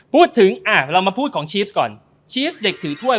พูดถึงเราน่ามาพูดของชีฟจากของชีฟเด็กถือถ้วย